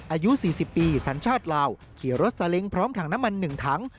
อายุ๔๐ปีสัญชาติลาวขี่รถซาเล้งพร้อมถังน้ำมัน๑ถัง